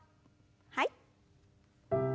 はい。